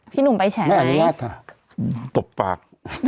พี่หนุ่มไปแฉนไหนตบปาก